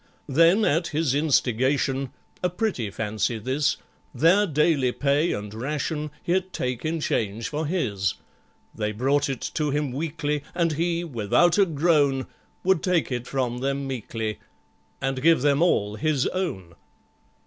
Then at his instigation (A pretty fancy this) Their daily pay and ration He'd take in change for his; They brought it to him weekly, And he without a groan, Would take it from them meekly And give them all his own!